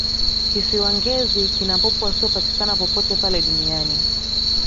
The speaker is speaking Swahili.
kisiwa ngezi kina popo wasiyopatikana popote pale duniani